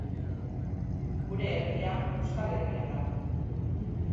Gure Herria, Euskal Herria da.